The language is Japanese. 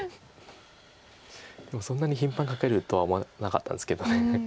でもそんなに頻繁にかけるとは思わなかったですけど。